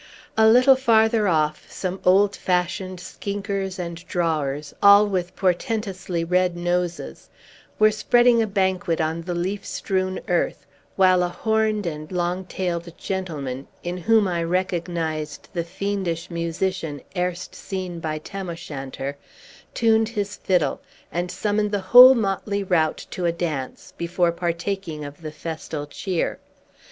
A little farther off, some old fashioned skinkers and drawers, all with portentously red noses, were spreading a banquet on the leaf strewn earth; while a horned and long tailed gentleman (in whom I recognized the fiendish musician erst seen by Tam O'Shanter) tuned his fiddle, and summoned the whole motley rout to a dance, before partaking of the festal cheer.